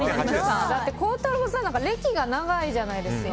孝太郎さんなんか歴が長いじゃないですか。